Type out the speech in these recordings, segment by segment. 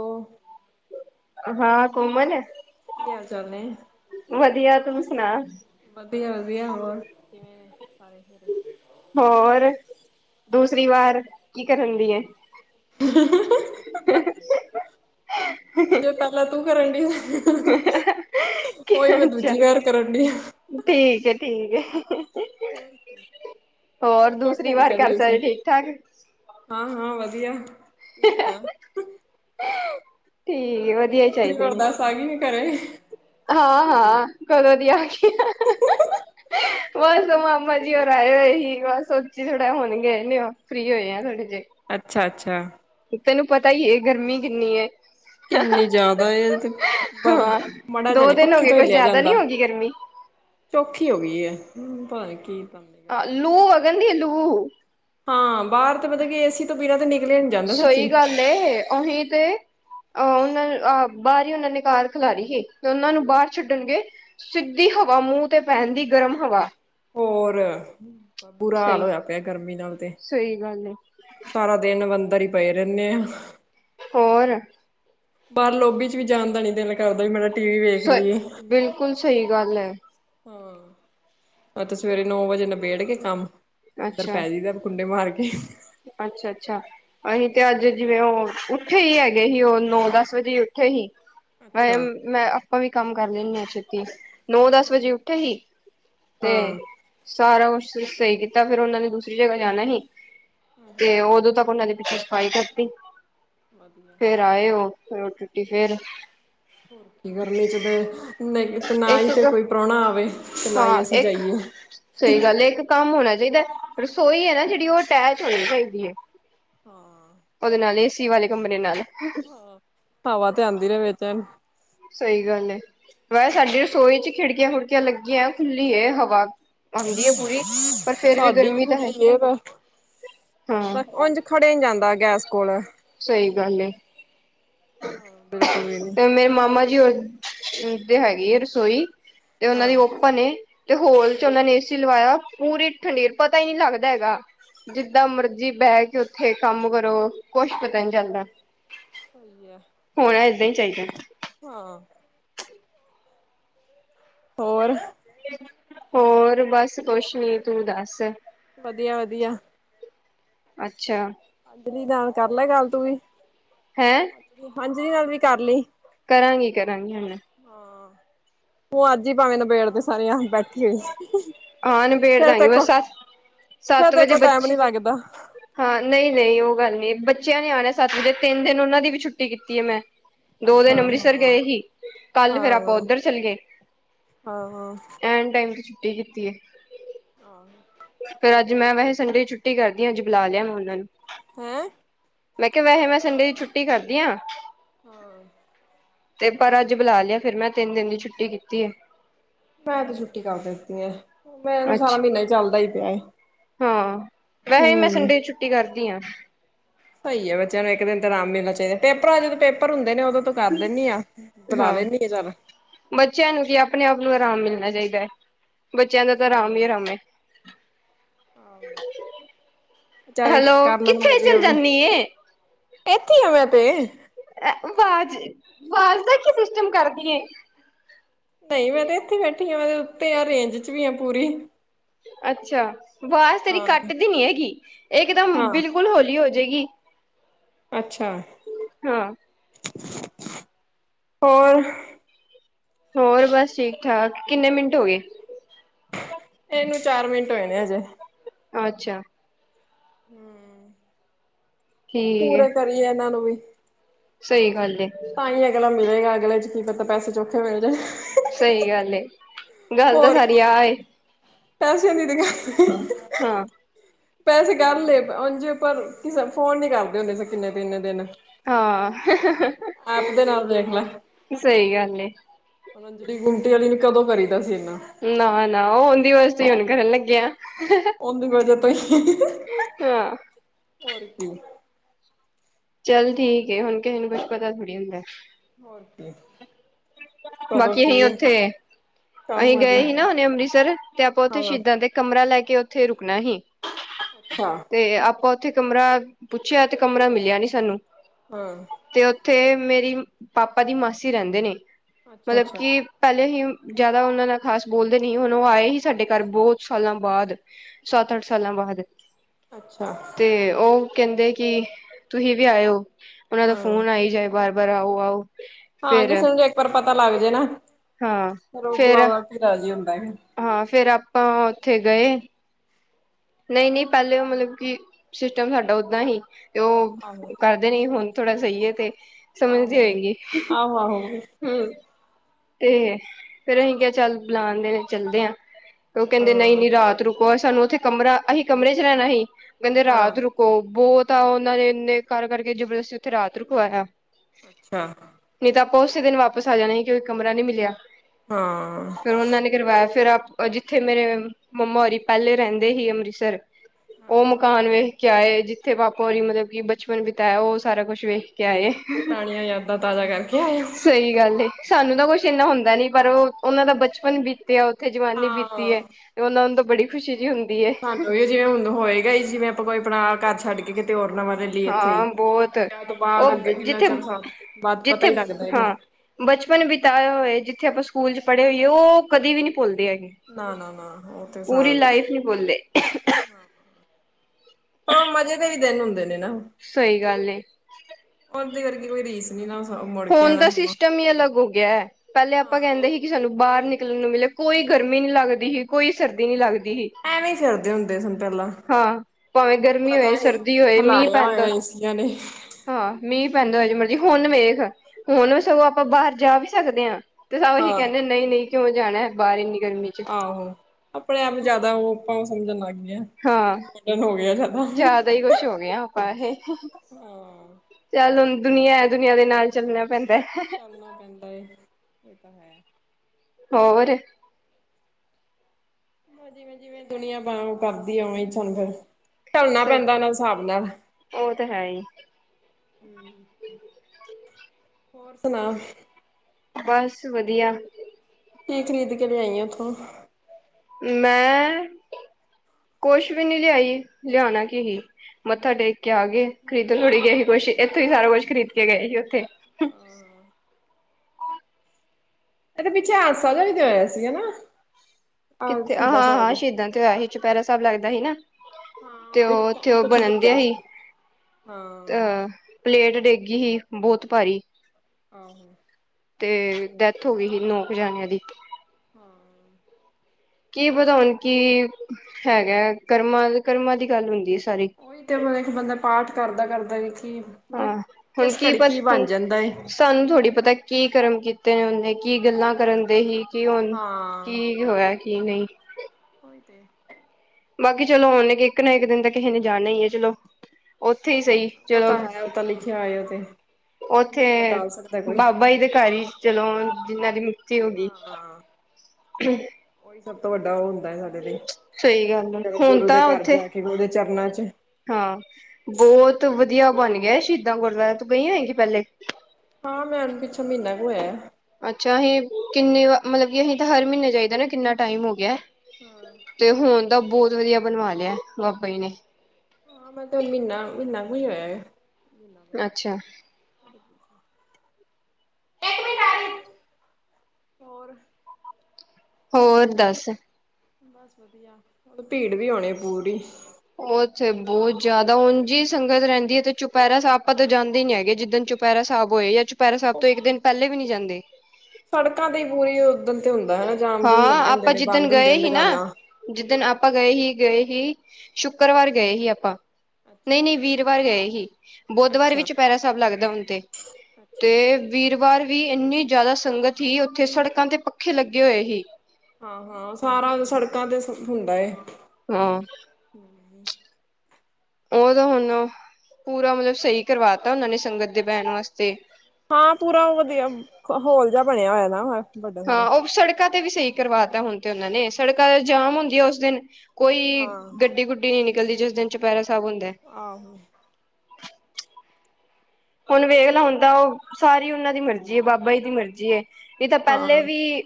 ਉਹ ਹਾਂ ਕੋਮਲ ਏ ਕੀ ਹਾਲ ਚਾਲ ਨੇ ਵਧੀਆ ਤੂੰ ਸੁਣਾ? ਵਧੀਆ ਵਧੀਆ ਹੋਰ ਕਿਵੇਂ ਨੇ ਸਾਰੇ ਘਰੇ? ਹੋਰ ਦੂਸਰੀ ਵਾਰ ਕੀ ਕਰਡ ਰਿ ਏ [unintelligible] ਜੇ ਪਹਿਲਾਂ ਤੂੰ ਕਰਨ ਡੀ ਉਹੀ ਮੈਂ ਅੱਛਾ ਦੂਜੀ ਵਾਰ ਕਰਨ ਡੀ ਠੀਕ ਹੈ ਠੀਕ ਹੈ। ਹੋਰ ਮੈਂ ਦੂਸਰੀ ਕੋਠੇ ਤੇ ਵਾਰ ਚੜੀ ਘਰ ਹੋਈ ਸਾਰੇ ਸੀ ਠੀਕ ਠਾਕ ਹਾਂ ਹਾਂ ਵਧੀਆ ਤੂੰ ਸੁਣਾ ਠੀਕ ਵਧੀਆ ਦੂਸਰੀ ਚਾਹੀਦੇ ਵਾਰ ਨੇ ਦੱਸ ਆ ਗਈ ਘਰੇ ਹਾਂ ਹਾਂ! ਕਦੋਂ ਦੀਆ ਆ ਗਈ [unintelligible] ਬਸ ਮਾਮਾ ਜੀ ਹੋਰ ਆਏ ਹੋਏ ਸੀ ਬਸ ਸਚੀ ਹੁਣ ਹੀ ਗਏ ਨੇ ਉਹ ਫ੍ਰੀ ਹੋਏ ਆ ਥੋੜੇ ਜਿਹੇ ਅੱਛਾ ਅੱਛਾ ਤੈਨੂੰ ਪਤਾ ਹੀ ਹੈ ਗਰਮੀ ਕਿੰਨੀ ਹੈ ਕਿੰਨੀ ਜ਼ਿਆਦਾ ਇਹ ਤੇ ਹਾਂ ਮਾੜਾ ਜਾ ਦੋ ਨਹੀਂ ਦਿਨ ਹੋ ਪੱਖੇ ਗਏ ਤੋਂ ਕੁਛ ਲਿਆ ਜ਼ਿਆਦਾ ਨੀ ਜਾਂਦਾ ਹੋਗੀ ਗਰਮੀ ਚੌਖੀ ਹੋ ਗਈ ਹੈ ਪਤਾ ਨਿ ਕੀ ਬਣੇਗਾ ਹਹ ਲੂ ਵਗਡੀ ਰੀਏ ਆ ਲੂ ਹਾਂ ਬਾਹਰ ਤੇ ਮਤਲਬ ਕਿ ਏਸੀ ਤੋਂ ਬਿਨਾਂ ਤੇ ਨਿ ਸਹੀ, ਗੱਲ ਏ। ਉਹੀ ਤੇ। ਅਹ ਉਹਹ ਬਾਹਰ ਉਹਨਾਂ ਨੇ ਕਾਰ ਖਿਲਾਰੀ ਸੀ ਤੇ ਉਹਨਾਂ ਨੂੰ ਬਾਹਰ ਛੱਡਣਗੇ ਸਿੱਧੀ ਹਵਾ ਮੂੰਹ ਤੇ ਪਹਿਨਦੀ ਗਰਮ ਹਵਾ ਹੋਰ ਬੁਰਾ ਹਾਲ ਸਹੀ ਹੋਇਆ ਪਿਆ ਗਰਮੀ ਨਾਲ ਤੇ ਸਹੀ ਗੱਲ ਹੈ ਸਾਰਾ ਦਿਨ ਬੰਦਾ ਪਏ ਰਹਿੰਦੇ ਹ ਹੋਰ ਬਾਹਰ ਲੋਭੀ ਚ ਵੀ ਜਾਣਦਾ ਨੀ ਨ ਕਰਦਾ ਮਿੰ ਸ ਬਿਲਕੁਲ ਸਹੀ ਗੱਲ ਹੈ ਹਾਂ ਆ ਤੇ ਸਵੇਰੇ ਨੌ ਵਜੇ ਨਬੇੜ ਕੇ ਕੰਮ ਅੰਦਰ ਅੱਛਾ ਪੈ ਜਈਦਾ ਕੁੰਡੇ ਮਾਰ ਕੇ ਅੱਛਾ ਅੱਛਾ ਅਸੀਂ ਤੇ ਅੱਜ ਜਿਵੇਂ ਉਹ ਉੱਥੇ ਹੀ ਹੈਗੇ ਸੀ ਉਹ ਨੌ ਦਸ ਵਜੇ ਉੱਥੇ ਸੀ ਮੈਂ ਅੱਛਾ ਮੈਂ ਆਪਾਂ ਵੀ ਕੰਮ ਕਰ ਲੈਂਨੇ ਆ ਛੇਤੀ ਨੌ ਦਸ ਵਜੇ ਉੱਠੇ ਸੀ ਤੇ ਹਾਂ ਸਾਰਾ ਕੁਛ ਸਹੀ ਕੀਤਾ ਫੇਿਰ ਉਹਨਾਂ ਨੇ ਦੂਸਰੀ ਜਗ੍ਹਾ ਜਾਣਾ ਸੀ ਤੇ ਉਦੋਂ ਤੱਕ ਉਹਨਾਂ ਦੇ ਸਫਾਈ ਕਰਤੀ ਵਧੀਆ। ਫੇਰ ਆਏ ਉਹ ਫ ਰੋਟੀ ਫੇਰ ਹੋਰ ਕੀ ਗਰਮੀ ਚ ਤੇ ਨ ਨਾ ਹੀ ਤੇ ਇੱਕ ਕੋਈ ਪ੍ਰਾਹੁਣਾ ਆਵੇ ਤੇ ਨਾ ਹੀ ਹਾਂ ਅਸੀਂ ਇੱਕ ਜਾਈਏ। ਸਹੀ ਗੱਲ ਇੱਕ ਕੰਮ ਹੋਣਾ ਚਾਹੀਦਾ ਰਸੋਈ ਹੈ ਨਾ ਜਿਹੜੀ ਉਹ ਅਟੈਚ ਹੋਣੀ ਚਾਹੀਦੀ ਹੈ ਹਾਂ ਉਹ ਨਾਲ ਏ ਸੀ ਵਾਲੇ ਕਮਰੇ ਨਾਲ ਹਾਂ ਹਵਾ ਤੇ ਆਉਂਦੀ ਰ ਵਿੱਚ ਸਹੀ ਗੱਲ ਹੈ ਵੈਸ ਸਾਡੀ ਰਸੋਈ ਚ ਖਿੜਕੀਆਂ ਖੁੜਕੀਆਂ ਲੱਗੀਆਂ ਖੁੱਲੀ ਹੈ ਹਵਾ ਆਉਂਦੀ ਹੈ ਪੂਰੀ ਪਰ ਫੇਰ ਸਾਡੀ ਵੀ ਗਰਮੀ ਤਾਂ ਹੈ ਖੁੱਲੀ ਇਹ ਵ ਹਾਂ ਬ ਉਝ ਖੜੇ ਨ ਜਾਂਦਾ ਗੈਸ ਕੋਲ ਸਹੀ ਗੱਲ ਹੈ ਹਾਂ ਬਿਲਕੁਲ ਵੀ ਨਹੀਂੀ ਮਾਮਾ ਜੀ ਹੋਰ ਦੇ ਹੈਗੀ ਆ ਰਸੋਈ ਤੇ ਉਹਨਾਂ ਦੀ ਹਾਂ। ਓਪਨ ਏ ਤੇ ਹੋਲ ਚ ਉਹਨਾ ਨੇ ਲਵਾਇਆ ਪੂਰੀ ਠੰਡੇਰ ਪਤਾ ਹੀ ਨਹੀਂੀ ਲੱਗਦਾ ਹੈਗਾ ਜਿੱਦਾਂ ਮਰਜ਼ੀ ਬਹਿ ਕੇ ਉੱਥੇ ਕੰਮ ਕਰੋ ਕੁਛ ਪਤਾ ਨੀ ਚੱਲਦਾ ਸਹੀ ਹੈ ਹੋਣਾ ਏਦਾਂ ਹੀ ਚਾਹੀਦਾ ਹਾਂ। ਹੋਰ। ਹੋਰ ਬਸ ਕੁਛ ਨੀ ਤੂੰ ਦੱਸ। ਵਧੀਆ ਵਧੀਆ। ਅੱਛਾ। ਹਾਂਜਲੀ ਨਾਲ ਕਰ ਲੈ ਗੱਲ ਤੂੰ ਵੀ ਹੈਂ ਹਾਂਜਲੀ ਨਾਲ ਵੀ ਕਰ ਲਈ। ਕਰਾਂਗੀ ਕਰਾਂਗੇ ਹ। ਹਾਂ ਤੂੰ ਅੱਜ ਹੀ ਭਾਵੇਂ ਨਬੇੜ ਤੇ ਸਾਰ ਬੈਠੀ ਹੋਈ। ਹਾਂ ਨਿਬੇੜਦਾ ਫੇਰ ਆਗੀ ਤੇ ਬ ਕੋ ਸੱਤ ਫੇਰ ਸੱਤ ਤੇ ਵਜੇ ਕੋ ਟਾਈਮ ਬੱਚ। ਨੀ ਲੱਗਦਾ ਹਾਂ ਨਹੀਂ ਨਹੀਂ ਉਹ ਗੱਲ ਨ। ਬੱਚਿਆਂ ਨੇ ਆਣਾ ਸੱਤ ਵਜੇ ਤਿੰਨ ਦਿਨ ਉਹਨਾਂ ਦੀ ਵੀ ਛੁੱਟੀ ਕੀਤੀ ਹੈ ਮੈਂ। ਦੋ ਅੱਛਾ ਦਿਨ ਹਾਂ ਅੰਮ੍ਰਿਤਸਰ ਗਏ ਸੀ ਕੱਲ ਫਿਰ ਆਪਾਂ ਉੱਧਰ ਚੱਲ ਗਏ। ਆਹ। ਐਨ ਟਾਈਮ ਤੇ ਛੁੱਟੀ ਕੀਤੀ ਹੈ। ਆਹ। ਫੇਰ ਅੱਜ ਮੈਂ ਵੈਸੇ ਸੰਡੇ ਦੀ ਛੁੱਟੀ ਕਰਦੀ ਹ ਅੱਜ ਬੁਲਾ ਲਿਆ ਮੈਂ ਉਹਨਾਂ ਨੂੰ। ਹੈਂ। ਮੈਂ ਕਿਹਾ ਵੈਸੇ ਮੈਂ ਸੰਡੇ ਦੀ ਛੁੱਟੀ ਕਰਦੀ ਹਾਂ। ਹਾਂ। ਤੇ ਪਰ ਅੱਜ ਬੁਲਾ ਲਿਆ ਫਿਰ ਮੈਂ ਤਿੰਨ ਦਿਨ ਦੀ ਛੁੱਟੀ ਕੀਤੀ ਹੈ। ਮੈਂ ਤੇ ਛੁੱਟੀ ਕਰ ਦਿੱਤੀ ਹੈ ਮੈਂ ਨਾ ਸਾਰਾ ਅੱਛਾ ਮਹੀਨਾ ਚੱਲਦਾ ਹੀ ਪਿਆ। ਹਾਂ ਵੈਸੇ ਹੀ ਮੈਂ ਹਮ ਸੰਡੇ ਦੀ ਛੁੱਟੀ ਕਰਦੀ ਹਾਂ। ਸਹੀ ਹੈ ਬੱਚਿਆਂ ਨੂੰ ਇੱਕ ਦਿਨ ਤੇ ਆਰਾਮ ਮਿਲਣਾ ਚਹੀਦਾ ਪੇਪਰ ਆ ਜਦ ਪੇਪਰ ਹੁੰਦਾ। ਨੇ ਉਦੋਂ ਤੋਂ ਕਰ ਦਿੰਦੀ ਹਾਂ ਲੈਂਦੀ ਆ ਚੱਲ ਬੱਚਿਆਂ ਨੂੰ ਵੀ ਆਪਣੇ ਆਪ ਨੂੰ ਆਰਾਮ ਮਿਲਣਾ। ਚਾਹੀਦਾ ਹੈ ਬੱਚਿਆਂ ਦਾ ਤਾਂ ਆਰਾਮ ਹੀ ਆਰਾਮ ਹੈ। ਆ ਹੋ। ਵਿਚਾਰੇ ਹੈਲੋ ਕਰ ਲੈਣ ਕਿੱਥੇ ਮਜ਼ੇ ਚੱਲ ਉਹ ਵੀ ਜਾਂਦੀ ਏ ਇੱਥੇ ਆ ਮੈਂ ਤੇ। ਆਵਾਜ਼ ਆਵਾਜ਼ ਦਾ ਕੀ ਸਿਸਟਮ ਕਰਦੀ ਹੈ। ਨਹੀਂ ਮੈਂ ਤੇ ਇੱਥੇ ਬੈਠੀ ਆ ਮੈਂ ਉੱਤੇ ਆ ਰੇਂਜ ਚ ਵੀ ਆ ਪੂਰੀ। ਅੱਛਾ ਆਵਾਜ਼ ਤੇਰੀ ਹਾਂ ਕੱਟਦੀ ਨੀ ਹੈਗੀ ਇਕਦਮ ਹਾਂ ਬਿਲਕੁਲ ਹੌਲੀ ਹੋ। ਹੋ ਜੇਗੀ। ਅੱਛਾ ਹੋਰ। ਹੋਰ ਬਸ ਠੀਕ ਠਾਕ ਕਿੰਨੇ ਮਿੰਟ ਹੋ ਗਏ। ਇਹਨੂੰ ਚਾਰ ਮਿੰਟ ਹੋਏ ਨੇ ਹਜੇ। ਅੱਛਾ। ਹਮ। ਠੀਕ ਹੈ ਪੂਰੇ ਕਰੀਏ ਇਹਨਾਂ ਨੂੰ ਵੀ। ਸਹੀ ਗੱਲ। ਏ ਤਾਂ ਹੀ ਅਗਲਾ ਮਿਲੇਗਾ ਅਗਲੇ ਚ ਕੀ ਪਤਾ ਪੈਸੇ ਚੋਖੇ ਮਿਲ ਜਾਏ। ਸਹੀ ਗੱਲ ਏ ਗੱਲ ਤਾਂ ਸਾਰੀ ਆਏ। ਪੈਸੇ ਦੀ ਤੇ। ਹਾਂ। ਪੈਸੇ ਕਰ ਲਏ ਪਰ ਕਿਸੇ ਫੋਨ ਨੀ ਕਰਦੇ ਹੁੰਦੇ ਸੀ ਕਿੰਨੇ ਇੰਨੇ ਦਿਨ। ਹਾਂ ਐਪ ਦੇ ਨਾਲ ਦੇਖ ਸਹੀ ਗੱਲ। ਅਨ ਅੰਜਲੀ ਗੁੰਮਟੀ ਵਾਲੀ ਨੂੰ ਕਦੋਂ ਕਰੀਦਾ ਸੀ। ਇਨਾ ਨਾ ਨਾ ਉਹਦੀ ਵਾਸਤੇ ਹੁਣ ਕਰਨ ਲੱਗਿਆ। ਉਹਨੂੰ ਵਜਾ ਤੋਂ ਹਾਂ ਹੋਰ ਕੀ। ਚੱਲ ਠੀਕ ਏ ਹੁਣ ਕਿਸੇ ਨੂੰ ਕੁਛ ਪਤਾ ਥੋੜੀ ਹੁੰਦਾ। ਹੋਰ ਕੀ। ਕਦੋਂ ਬਾਕੀ ਅਹੀ ਕੀ ਹੈ ਉੱਥੇ ਅਹੀ ਕੰਮ ਆ ਜੇ ਗਏ ਹੀ ਨਾ ਉਹਨੇ ਅੰਮ੍ਰਿਤਸਰ ਤੇ ਆਪਾਂ ਉੱਥੇ ਹਾਂ ਸ਼ਹੀਦਾਂ ਕਮਰਾ ਲੈ ਕੇ ਕੇ ਉੱਥੇ ਰੁਕਣਾ ਹੀ ਅੱਛਾ ਤੇ ਆਪਾਂ ਉੱਥੇ ਕਮਰਾ ਪੁੱਛਿਆ ਤੇ ਕਮਰਾ ਮਿਲਿਆ ਨੀ ਸਾਨੂੰ ਹਾਂ। ਤੇ ਉੱਥੇ ਮੇਰੀ ਪਾਪਾ ਦੀ ਮਾਸੀ ਰਹਿੰਦੇ ਨੇ ਅੱਛਾ ਮਤਲਬ ਅੱਛਾ ਕਿ ਪਹਿਲੇ ਹੀ ਜ਼ਿਆਦਾ ਉਹਨਾਂ ਨਾਲ ਖਾਸ ਬੋਲਦੇ ਨਹੀਂ ਹੁਣ ਉਹ ਆਏ ਹੀ ਸਾਡੇ ਘਰ ਬਹੁਤ ਸਾਲਾਂ ਬਾਅਦ ਸੱਤ-ਅੱਠ ਅੱਛਾ ਸਾਲਾਂ ਬਾਅਦ ਅੱਛਾ ਤੇ ਉਹ ਕਹਿੰਦੇ ਕੀ ਤੁਸੀਂ ਵੀ ਆਇਓ ਉਹਨਾਂ ਦਾ ਹਾਂ ਫੋਨ ਆਈ ਜਾਏ ਬਾਰ-ਬਾਰ ਆਓ-ਆਓ ਹਾਂ ਕਿਸੇ ਨੂੰ ਇੱਕ ਵਾਰ ਪਤਾ ਲੱਗ ਜੇ ਨਾ। ਹਾਂ ਉਹ ਫਿਰ ਬੁਲਾਵਾ ਕੀ ਰਾਜੀ ਹੁੰਦਾ ਹੈ ਹਾਂ ਫਿਰ ਆਪਾਂ ਉੱਥੇ ਗਏ। ਨਹੀਂ-ਨਹੀਂ ਪਹਿਲੇ ਉਹ ਮਤਲਬ ਕਿ ਸਿਸਟਮ ਸਾਡਾ ਓਦਾਂ ਹੀ ਉਹ ਆਹੋ ਕਰਦੇ ਨੇ ਹੁਣ ਥੋੜ੍ਹਾ ਸਹੀ ਤੇ ਸਮਝਦੀ ਹੋਏਗੀ। ਹਮ ਆਹ। ਤੇ ਫਿਰ ਅਸੀਂ ਕਿਹਾ ਚੱਲ ਬੁਲਾਣ ਦੇ ਚੱਲਦੇ ਆਂ ਉਹ ਕਹਿੰਦੇ ਹਾਂ ਨਹੀਂ-ਨਹੀ ਰਾਤ ਰੁਕ ਸਾਨੂੰ ਉੱਥੇ ਕਮਰਾ ਅਸੀਂ ਕਮਰੇ ਚ ਰਹਿਣਾ ਸੀ ਕਹਿੰਦੇ ਹਾਂ ਰਾਤ ਰੁਕੋ ਬਹੁਤ ਤਾਂ ਉਹਨਾਂ ਨੇ ਇਨੇ ਕਰ-ਕਰਕੇ ਜਬਰਦਸਤੀ ਉੱਥੇ ਰਾਤ ਰੁਕਵਾਇਆ ਅੱਛਾ। ਨਹੀਂ ਤਾਂ ਉਸੇ ਦਿਨ ਵਾਪਸ ਆ ਜਾਣਾ ਹੀ ਕਿਉਂਕਿ ਕਮਰਾ ਨੀ ਮਿਲਿਆ, ਹਾਂ ਫਿਰ ਉਹਨਾਂ ਨੇ ਕਰਵਾਇਆ ਫਿਰ ਆਪ ਜਿੱਥੇ ਮੇਰੇ ਮੰਮਾ ਉਰੀ ਪਹਿਲੇ ਰਹਿੰਦੇ ਹੀ ਅੰਮ੍ਰਿਤਸਰ ਉਹ ਮਕਾਨ ਵੇ ਕਏ ਜਿੱਥੇ ਪਾਪਾ ਹੋਰੀ ਮਤਲਬ ਕਿ ਬਚਪਨ ਬਿਤਾਇਆ ਉਹ ਸਾਰਾ ਕੁਛ ਵੇ। ਕਿਆ ਹੈ, ਪੁਰਾਣੀਆਂ ਯਾਦਾਂ ਤਾਜ਼ਾ ਕਰਕੇ ਆਏ ਹੋ ਸਹੀ ਗੱਲ ਏ। ਸਾਨੂੰ ਤਾਂ ਕੁਛ ਇੰਨਾ ਹੁੰਦਾ ਨੀ ਪਰ ਉਹ ਉਹਨਾਂ ਦਾ ਬਚਪਨ ਬੀਤਿਆ ਉੱਥੇ ਜਵਾਨੀ ਬੀਤੀ ਹਾਂ ਏ ਉਹਨਾਂ ਤਾ। ਬੜੀ ਖੁਸ਼ੀ ਜੀ ਹੁਣ ਸਾਨੂੰ ਵੀ ਜਿਵੇਂ ਹੁਣ ਹੋਏਗਾ ਈ ਜਿਵੇਂ ਆਪਾਂ ਕੋਈ ਪੁਰਾਣਾ ਘਰ ਛੱਡ ਕੇ ਕਿਤੇ ਹੋਰ ਨਵਾ ਲੇ ਲਈ ਇੱਥੇ ਈ ਹਾਂ ਬਹੁਤ ਵਿਆਹ ਤੋਂ ਬਾਅਦ ਉਹ ਅੱਗੇ ਕਿੰਨਾ ਜਿੱਥੇ ਚਿਰ ਸ ਬਾੱਦ ਪਤਾ ਜਿੱਥੇ ਈ ਲੱਗਦਾ ਫੇਰ- ਹਾਂ ਬਚਪਨ ਬਿਤਾਂਆ ਹੋਏ ਜਿੱਥੇ ਆਪਾਂ ਸਕੂਲ ਚ ਪੜ੍ਹੇ ਹੋਈਏ ਉਹ ਕਦੇ ਵੀ ਨੀ- ਪੁਲਦੇ ਹੈਗੇ, ਨਾ ਨਾ ਨਾ ਉਹ ਤੇ ਪੂਰੀ ਸਾ ਲਾਈਫ ਨੀ ਪੁਲਦੇ। ਪਰ ਉਹ ਮਜ਼ੇ ਦੇ ਵੀ ਦਿਨ ਹੁੰਦੇ ਨੇ। ਨਾ। ਸਹੀ ਗੱਲ ਏ। ਦੇ ਵਰਗੀ ਕੋਈ ਰੀਸ ਨੀ ਨਾ ਮੁੜ ਕੇ ਹੋਣ ਆਣਾ ਦਾ ਸਮਾਂ। ਸਿਸਟਮ ਈ ਅਲੱਗ ਹੋ ਗਿਆ ਐ ਪਹਿਲੇ ਆਪਾਂ ਹਾਂ ਕਹਿੰਦੇ ਹੀ ਕਿ ਸਾਨੂੰ ਬਾਹਰ ਨਿਕਲਣ ਨੂੰ ਮਿਲਿਆ ਕੋਈ ਗਰਮੀ ਨੀ ਲੱਗਦੀ ਹੀ ਕੋਈ ਸਰਦੀ ਨੀ ਲੱਗਦੀ ਹੀ। ਪੱਖੇ ਹੀ ਚਲਦੇ ਹੁੰਦੇ ਸਨ ਪਹਿਲਾਂ, ਭਾਵੇਂ ਹੁਣ ਗਰਮੀ ਹੋਏ ਜ਼ਿਆਦਾ ਇਹ ਸਰਦੀ ਹੋਏ ਹਿਲਾ ਮੀਂਹ ਲਿਆ ਪੈਂਦਾ ਹੋਇਆ ਏਸੀਆਂ ਨੇ। ਹਾਂ ਮੀਂਹ ਪੈਂਦਾ ਏ ਜੇ ਮਰਜ਼ੀ ਹੁਣ ਵੇਖ ਹੁਣ ਵੀ ਸਗੋਂ ਆਪਾਂ ਬਾਹਰ ਜਾ ਵੀ ਸਕਦੇ ਆ। ਤੇ ਸਭ ਅਸੀਂ ਹਾਂ। ਕਹਿੰਨੇ ਨਈ-ਨਈ ਕਿਉਂ ਜਾਣਾ ਐ ਬਾਹਰ ਇੰਨੀ ਗਰਮੀ ਚ ਆਹੋ ਆਪਣੇ ਆਪ ਨੂੰ ਜਿਆਦਾ ਉਹ ਆਪਾਂ ਸਮਝਣ ਲੱਗ ਗਏ। ਆ। ਹਾਂ ਵੀ ਮੋਡਰਨ ਹੋ ਗਿਆ ਹਾਂ। ਜ਼ਿਆਦਾ ਈ ਕੁਛ ਹੋ ਗਏ ਆਪਾਂ ਇਹ। ਚੱਲ ਹੁਣ ਦੁਨੀਆਂ ਐ ਦੁਨੀਆਂ ਦੇ ਨਾਲ ਚੱਲਣਾ ਪੈਂਦਾ ਚੱਲਣਾ ਪੈਂਦਾ ਏ ਇਹ ਤਾਂ ਹੈ। ਹੋਰ- ਹ ਜਿਵੇਂ-ਜਿਵੇਂ ਦੁਨੀਆਂ ਬ ਕਰਦੀ ਏ ਉਵੇ ਹੀ ਚਲ ਚੱਲਣਾ ਸਹੀ ਪੈਂਦਾ ਨਾ ਸਾਬ ਨਾਲ। ਉਹ ਤਾਂ ਹੈ ਹੀ ਹੋਰ ਸੁਣਾ? ਬਸ ਵਧੀਆ। ਕੀ ਖਰੀਦ ਕੇ ਲਿਆਈ ਐ ਉੱਥੋਂ? ਮੈਂ ਕੁਛ ਵੀ ਨੀ ਲਿਆਈ ਲਿਆਉਣਾ ਕਿ ਹੀ ਮੱਥਾ ਟੇਕ ਕੇ ਆ ਗਏ ਖਰੀਦਣ ਥੋੜੀ ਗਏ ਹੀ ਕੁਛ ਇੱਥੋਂ ਹੀ ਸਾਰਾ ਕੁੱਛ ਖਰੀਦ ਕੇ ਗਏ ਹੀ ਉੱਥੇ। ਹਾਂ। ਕਹਿੰਦੇ ਪਿੱਛੇ ਹਾਦਸਾ ਜਿਹਾ ਵੀ ਤੇ ਹੋਇਆ ਸੀ ਹਨਾ। ਆਹ ਕਿੱਥੇ ਸ਼ਹੀਦਾ ਸਾਹਿਬ। ਹਾਂ-ਹਾਂ ਸ਼ਹੀਦਾਂ ਤੇ ਹੋਇਆ ਸੀ ਚੁਪਹਿਰਾ ਸਾਹਿਬ ਲੱਗਦਾ ਸੀ ਨਾ‌। ਤੇ ਹਾਂ ਉਹ ਇੱਟ ਉੱਥੇ ਉਹ ਕੁਛ ਬਣਨ ਦਿਆਂ ਡਿੱਗਾ ਸੀ ਹਾਂ। ਅ ਪਲੇਟ ਡੇਗ ਹੀ ਹੀ ਬਹੁਤ ਭਾਰੀ। ਆਹੋ ਤੇ ਡੈਥ ਹੋ ਗਈ ਹੀ ਨੌ ਕੁ ਜਣਿਆਂ ਦੀ। ਹਾਂ ਕੀ ਪਤਾ ਹੁਣ ਕੀ ਹੈਗਾ ਕਰਮਾ-ਕਰਮਾਂ ਦੀ ਗੱਲ ਹੁੰਦੀ। ਸਾਰੀ ਉਹੀ ਤੇ ਮਤਲਬ ਇੱਕ ਬੰਦਾ ਪਾਠ ਕਰਦਾ-ਕਰਦਾ ਈ ਹਾਂ ਹੁਣ ਕੀ ਪਤਾ ਹੁਣ ਜਾਂਦਾ ਏ ਸਾਨੂੰ ਥੋੜ੍ਹੀ ਪਤਾ ਕੀ ਕਰਮ ਕੀ ਤੇ ਨੇ ਉਹਨੇ ਕੀ ਗੱਲਾਂ ਕਰਨ ਦਏ ਹੀ ਕੀ ਹੁਣ ਹਾਂ ਕੀ ਹੋਇਆ ਕੀ ਨਈ। ਉਹੀ ਤੇ ਬਾਕੀ ਚਲੋ ਹੁਣ ਕਿ ਇੱਕ ਨਾ ਇੱਕ ਦਿਨ ਤਾਂ ਕਿਸੇ ਨੇ ਜਾਣਾ ਹੀ ਹੈ ਚਲੋ ਉਥੇ ਹੀ ਸਹੀ ਉਹ ਚਲੋ। ਤਾਂ ਹੈ ਉਹ ਤਾਂ ਲਿਖਿਆ ਹੋਇਆ ਤੇ। ਉੱਥੇ, ਉਹਨੂੰ ਕਿਹੜਾ ਟਾਲ ਸਕਦਾ ਕੋਈ ਬਾਬਾ ਜੀ ਦੇ ਘਰ ਈ ਚਲੋ ਜਿੰਨਾਂ ਦੀ ਮੁਕਤੀ ਹੋਗੀ। ਹਾਂ ਉਹੀ ਸਭ ਤੋਂ ਵੱਡਾ ਉਹ ਹੁੰਦਾ ਐ ਸਾਡੇ ਤੇ। ਸਹੀ ਗੱਲ ਏ ਹੁਣ ਤਾਂ ਉੱਥੇ, ਉਹਦੇ ਚਰਨਾਂ ਚ ਹਾਂ ਬਹੁ ਵਧੀਆ ਬਣ ਗਿਆ ਸ਼ਹੀਦਾਂ ਗੁਰਦਆਰਾ ਤੋਂ ਗਈ ਹੋਏਗੀ ਪਹਿਲੇ। ਹਾਂ ਮੈਨੂੰ ਪਿੱਛੋ ਮਹੀਨਾ ਕੁ ਹੋਇਆ। ਅੱਛਾ ਅਸੀਂ ਕਿੰਨੇ ਮਤਲਬ ਕੀ ਅਸੀਂ ਤਾਂ ਹਰ ਮਹੀਨੇ ਜਾਈ ਦਾ ਨਾ ਕਿੰਨਾ ਟਾਈਮ ਹੋ ਗਿਆ। ਹਾਂ ਤੇ ਹੁਣ ਤਾਂ ਬਹੁਤ ਵਧੀਆ ਬਣਵਾ ਲਿਆ ਬਾਬਾ ਜੀ ਨੇ। ਊ ਈ ਹੋਇਆ। ਇੱਕ ਅੱਛਾ ਮਿੰਟ ਆਗੀ, ਹੋਰ ਹੋਰ ਦੱਸ। ਬਸ ਵਧੀਆ ਉਹ ਭੀੜ ਵੀ ਹੋਣੀ ਪੂਰੀ। ਉਹ ਉੱਥੇ ਬਹੁਤ ਜਿਆਦਾ ਉਂਝੀ ਸੰਗਤ ਰਹਿੰਦੀ ਹੈ ਤੇ ਚੁਪਹਿਰਾ ਸਾਹਿਬ ਆਪਾਂ ਤਾਂ ਜਾਂਦੇ ਨੀ ਹੈਗੇ ਜਿੱਦਣ ਚੁਪਹਿਰਾ ਸਾਹਿਬ ਹੋਏ ਜਾਂ ਚੁਪਹ ਰਾ ਸਾਹਿਬ ਉਹ ਤੋਂ ਇੱਕ ਦਿਨ ਪਹਿਲੇ ਵੀ ਨੀ ਜਾਂਦੇ। ਸੜਕਾਂ ਤੇ ਹੀ ਪੂਰੀ ਉਦਣ ਤੇ ਹੁੰਦਾ ਹਨਾ ਜਾਮ ਜੂਮ ਹਾਂ ਲੱਗੇ ਹੁੰਦੇ ਆਪਾਂ ਨੇ ਜਿੱਦਣ ਬੰਦ ਗਏ ਹੁੰਦੀਆਂ ਹੀ ਨਾ, ਦੁਕਾਨਾਂ ਜਿੱਦਣ ਹਾਂ ਆਪਾਂ ਗਏ ਹੀ ਗਏ ਹੀ ਸ਼ੁੱਕਰਵਾਰ ਗਏ ਹੀ ਆਪਾਂ। ਅੱਛਾ ਨਹੀਂ-ਨਹੀਂ ਵੀਰਵਾਰ ਗਏ ਹੀ। ਬੁੱਧਵਾਰ ਅੱਛਾ ਵਿੱਚ ਚੁਪਹਿਰਾ ਸਾਹਿਬ ਲੱਗਦਾ ਹੁਣ ਤੇ। ਅੱਛਾ ਤੇ ਵੀਰਵਾਰ ਵੀ ਇੰਨੀ ਜ਼ਿਆਦਾ ਸੰਗਤ ਸੀ ਉੱਥੇ ਸੜਕਾਂ ਤੇ ਪੱਖੇ ਲੱਗੇ ਹੋਏ ਹੀ। ਹਾਂ-ਹਾਂ ਸਾਰਾ ਸੜਕਾਂ ਤੇ ਹੁੰਦਾ ਏ। ਹਾਂ ਉਹ ਤਾਂ ਹੁਣ, ਪੂਰਾ ਮਤਲਬ ਸਹੀ ਕਰਵਾ ਤਾ ਉਹਨਾਂ ਨੇ ਸੰਗਤ ਦੇ ਬਹਿਣ ਵਾਸਤੇ। ਹਾਂ ਪੂਰਾ ਵਧੀਆ ਹੋਲ ਜਿਹਾ ਬਣਿਆ ਹੋਇਆ ਨਾ। ਵੱਡਾ ਸਾਰਾ। ਹਾਂ ਉਹ ਸੜਕਾਂ ਤੇ ਵੀ ਸਹੀ ਕਰਵਾ ਤਾ ਹੁਣ ਤੇ ਉਹਨਾਂ ਨੇ ਸੜਕਾਂ ਜਾਮ ਹੁੰਦੀਆਂ ਉਸ ਦਿਨ। ਕੋਈ ਹਾਂ ਗੱਡੀ-ਗੁੱਡੀ ਨੀ ਨਿਕਲਦੀ ਜਿਸ ਦਿਨ ਚੁਪਹਿਰਾ ਸਾਹਿਬ ਹੁੰਦਾ ਆਹੋ ਹੁਣ ਵੇਖ ਲਾ ਹੁੰਦਾ ਉਹ ਸਾਰੀ ਉਹਨਾਂ ਦੀ ਮਰਜ਼ੀ ਏ ਬਾਬਾ ਜੀ ਦੀ ਮਰਜ਼ੀ ਏ। ਨਹੀਂ ਤਾਂ ਪਹਿਲੇ ਹਾਂ ਵੀ,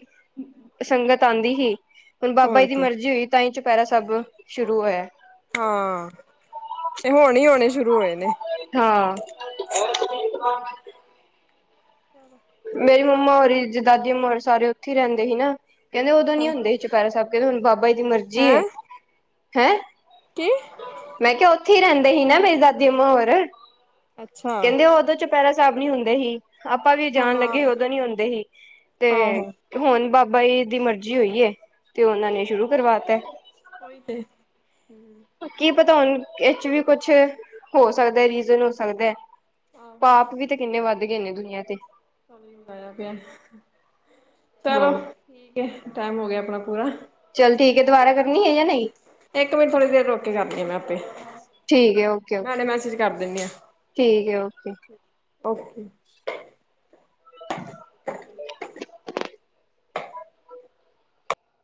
ਸੰਗਤ ਆਂਦੀ ਸੀ ਹੁਣ ਬਾਬਾ ਜੀ ਹੋਰ ਦੀ ਕੀ ਮਰਜ਼ੀ ਹੋਈ ਤਾਂ ਹੀ ਚੁਪਹਿਰਾ ਸਾਹਿਬ ਸ਼ੁਰੂ ਹੋਇਆ। ਹਾਂ ਤੇ ਹੁਣ ਹੀ ਹੋਣੇ ਸ਼ੁਰੂ ਹੋਏ ਨੇ। ਹਾਂ ਚਲੋ ਮੇਰੀ ਮੰਮਾ ਹੋਰੀ, ਦਾਦੀ ਮੰਮਾ ਹੋਰੀ ਸਾਰੇ ਉਥ ਹੀ ਰਹਿੰਦੇ ਸੀ ਨਾ, ਕਹਿੰਦੇ ਉਦੋ ਨੀ ਹੁੰਦੇ ਸੀ ਚੁਪਹਿਰਾ ਸਹਿਬ ਕਹਿੰਦੇ ਹੁਣ ਬਾਬਾ ਜੀ ਦੀ ਮਰਜ਼ੀ ਹੈਂ ਏ, ਹੈਂ ਕੀ ਮੈਂ ਕਿਹਾ ਉਥੇ ਉੱਥੇ ਹੀ ਰਹਿੰਦੇ ਸੀ ਨਾ ਮੇਰੀ ਦਾਦੀ ਅੰਮਾ ਹੋਰ ਅੱਛਾ ਕਹਿੰਦੇ ਉਦੋਂ ਚ ਚੁਪਹਿਰਾ ਸਾਹਿਬ ਨੀ ਹੁੰਦੇ ਹੀ ਆਪਾਂ ਵੀ ਜਾਣ ਹਾਂ ਲੱਗੇ ਉਦੋਂ ਨੀ ਹੁੰਦੇ ਸੀ ਤੇ ਆਹੋ। ਹੁਣ ਬਾ ਬਾ ਜੀ ਦੀ ਮਰਜ਼ੀ ਹੋਈ ਤੇ ਉਹਨਾਂ ਨੇ ਸ਼ੁਰੂ ਕਰਵਾਤਾ। ਉਹੀ ਤੇ ਹੂੰ ਕੀ ਪਤਾ ਨਹੀਂ ਵਿੱਚ ਵੀ ਕੁਛ ਹੋ ਸਕਦਾ ਰੀਜ਼ਨ ਹੋ ਸਕਦਾ ਐ। ਆਹੋ ਪਾਪ ਵੀ ਤੇ ਕਿੰਨੇ ਵੱਧ ਗਏ ਨੇ ਦੁਨੀਆਂ ਤੇ ਚਗਾਇਆ [inaudible] ਪਿਆ ਹਾਂ ਚਲੋ ਠੀਕ ਐ। ਟਾਈਮ ਹੋ ਗਿਆ ਆਪਣਾ ਪੂਰਾ ਚੱਲ ਠੀਕ ਹੈ ਦੁਬਾਰਾ ਕਰ ਇੱਕ ਮਿੰਟ ਥੋੜ੍ਹੀ ਦੇਰ ਰੋਕ ਕੇ ਕਰਦੀ ਆ ਮੈਂ ਆਪੇ ਠੀਕ ਹੈ ਓਕੇ ਮੈਂ ਹੁਣੇ -ਓਕੇ ਮੈਸੇਜ ਕਰ ਦਿੰਦੀ ਹਾਂ ਠੀਕ ਹੈ ਓਕੇ ਓਕੇ [inaudible] [inaudible]